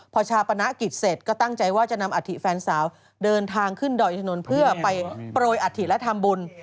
พอชาปนกิจเสร็จก็ตั้งใจว่าจะนำอัฐิแฟนสาวเดินทางขึ้นดอยอินทนนท์เพื่อไปโปรยอัฐิและทำบุญ